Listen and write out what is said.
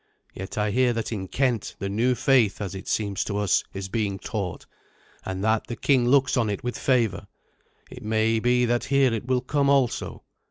Yet I hear that in Kent the new faith, as it seems to us, is being taught, and that the king looks on it with favour. It may be that here it will come also.